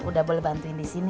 udah boleh bantuin disini